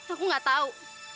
aku gak tahu